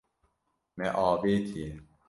Me avêtiye.